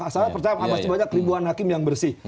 saya percaya banyak banyak keribuan hakim yang bersih